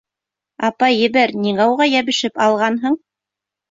Апай, ебәр, ниңә уға йәбешеп алғанһың?